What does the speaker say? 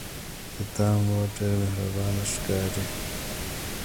د تا مور ډیره مهربانه ښکاري